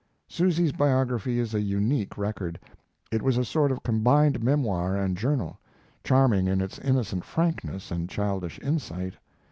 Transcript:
Susy's biography is a unique record. It was a sort of combined memoir and journal, charming in its innocent frankness and childish insight.